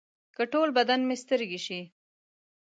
که ټول بدن مې سترګې شي.